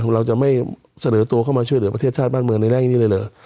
เราจะไม่เสนอตัวเข้ามาช่วยเหลือประเทศชาติบ้านเมืองในแรกนี้เลยเหรอ